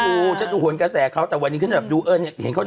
กูจะดูหนกระแสเขาแต่วันนี้ขึ้นแบบดูเอิ้นเนี่ยเห็นเขานั่น